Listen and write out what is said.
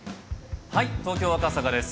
東京・赤坂です。